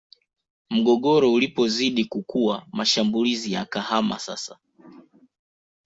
Mgogoro ulipozidi kukua mashambulizi yakahama sasa